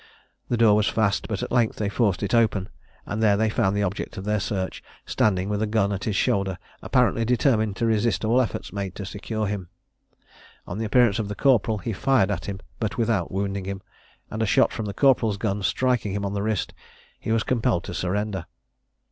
The door was fast, but they at length forced it open, and then they found the object of their search standing with a gun at his shoulder, apparently determined to resist all efforts made to secure him. On the appearance of the corporal he fired at him, but without wounding him; and a shot from the corporal's gun striking him on the wrist, he was compelled to surrender.